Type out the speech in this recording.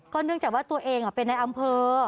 เนื่องจากว่าตัวเองเป็นในอำเภอ